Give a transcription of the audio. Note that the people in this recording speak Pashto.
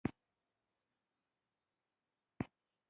څنګه کولی شم د ماشومانو لپاره د قیامت د ورځې تیاري ښوول